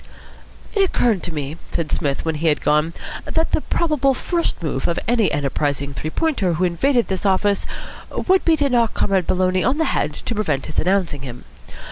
"It occurred to me," said Psmith, when he had gone, "that the probable first move of any enterprising Three Pointer who invaded this office would be to knock Comrade Maloney on the head to prevent his announcing him.